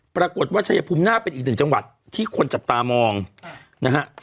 ปรากฏว่าชายภูมิน่าเป็นอีกหนึ่งจังหวัดที่คนจับตามองนะฮะ